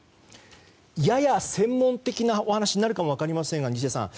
やや専門的なお話になるかも分かりませんが西出さん